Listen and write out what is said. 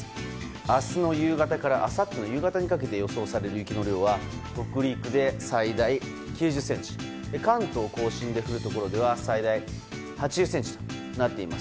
明日の夕方からあさっての夕方にかけて予想される雪の量は北陸で最大９０ｃｍ関東・甲信で降るところでは最大８０ｃｍとなっています。